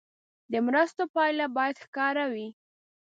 د مرستو پایله باید ښکاره وي.